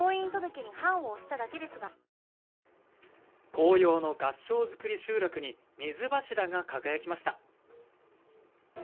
紅葉の合掌造り集落に水柱が輝きました。